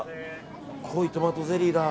濃いトマトゼリーだ。